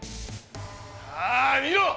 さあ見ろ！